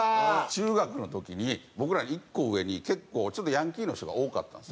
中学の時に僕らの１個上に結構ちょっとヤンキーの人が多かったんですよ。